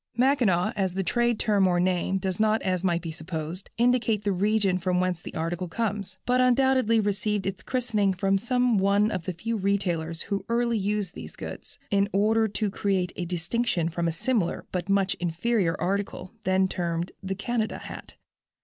"Mackinaw," as a trade term or name, does not, as might be supposed, indicate the region from whence the articles comes, but undoubtedly received its christening from some one of the few retailers who early used these goods, in order to create a distinction from a similar, but much inferior article, then termed the "Canada" hat.